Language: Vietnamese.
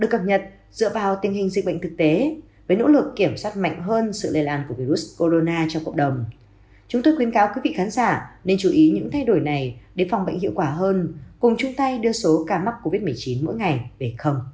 chúng tôi khuyến cáo quý vị khán giả nên chú ý những thay đổi này để phòng bệnh hiệu quả hơn cùng chung tay đưa số ca mắc covid một mươi chín mỗi ngày về không